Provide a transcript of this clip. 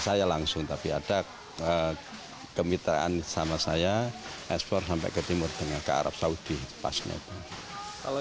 saya langsung tapi ada kemitraan sama saya ekspor sampai ke timur dengan ke arab saudi pas kalau